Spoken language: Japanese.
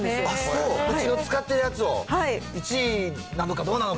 そう、うちの使ってるやつを、１位なのかどうなのか。